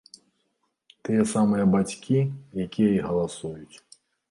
Тыя самыя бацькі, якія і галасуюць.